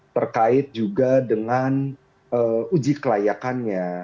terkait juga dengan uji kelayakannya